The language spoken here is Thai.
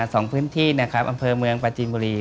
สองพื้นที่นะครับอำเภอเมืองประจีนบุรี